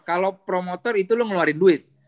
kalau promotor itu lu ngeluarin duit